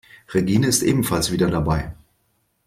Regine ist ebenfalls wieder dabei.